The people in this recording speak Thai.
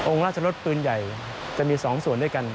ราชรสปืนใหญ่จะมี๒ส่วนด้วยกัน